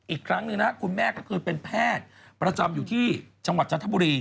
อีกครั้งหนึ่งนะครับก็คือคุณแม่เป็นแพทย์ประจำอยู่ที่จันทบุรี